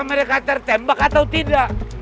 mereka tertembak atau tidak